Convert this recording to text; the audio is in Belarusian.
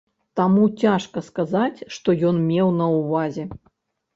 Таму цяжка сказаць, што ён меў на ўвазе.